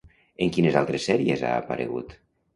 En quines altres sèries ha aparegut?